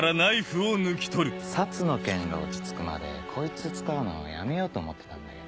サツの件が落ち着くまでこいつ使うのはやめようと思ってたんだけど。